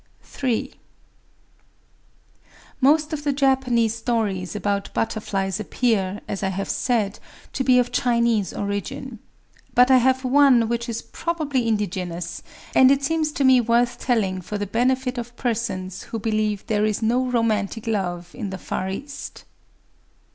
III Most of the Japanese stories about butterflies appear, as I have said, to be of Chinese origin. But I have one which is probably indigenous; and it seems to me worth telling for the benefit of persons who believe there is no "romantic love" in the Far East.